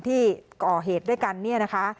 ที่ก่อเหตุด้วยกันเนี่ยนะคะ